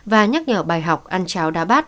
và nhắc nhở bài học ăn cháo đá bát